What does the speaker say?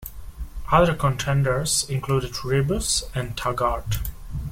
Other contenders included "Rebus" and "Taggart".